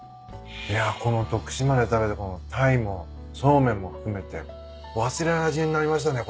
いやこの徳島で食べるタイもそうめんも含めて忘れない味になりましたね。